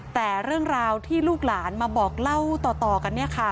แต่เรื่องราวที่ลูกหลานมาบอกเล่าต่อกันเนี่ยค่ะ